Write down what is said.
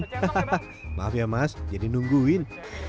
hahaha maaf ya mas jangan dinungguin